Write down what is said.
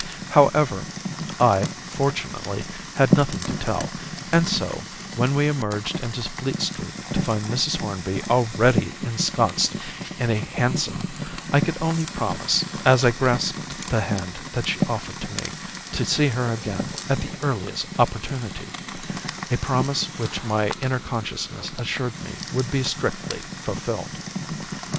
However, I, fortunately, had nothing to tell, and so, when we emerged into Fleet Street to find Mrs. Hornby already ensconced in a hansom, I could only promise, as I grasped the hand that she offered to me, to see her again at the earliest opportunity a promise which my inner consciousness assured me would be strictly fulfilled.